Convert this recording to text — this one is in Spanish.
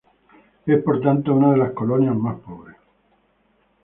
Es por tanto una de las colonias más pobres.